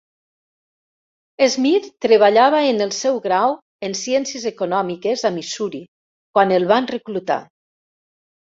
Smith treballava en el seu grau en ciències econòmiques a Missouri quan el van reclutar.